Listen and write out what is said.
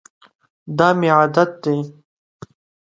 دا مي عادت دی .